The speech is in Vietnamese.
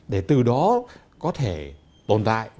để từ đó có thể tồn tại